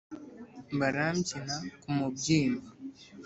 barambyina ku mubyimba